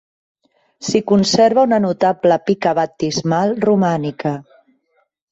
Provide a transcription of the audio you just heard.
S'hi conserva una notable pica baptismal romànica.